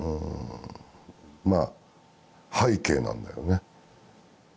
まあ背景なんだよね。